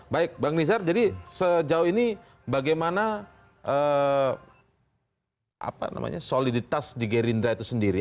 baik bang nizar jadi sejauh ini bagaimana soliditas di gerindra itu sendiri